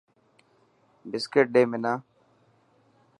بسڪٽ ڏي حنا.